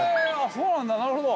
そうなんだなるほど。